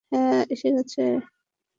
হ্যাঁ, এসে গেছে।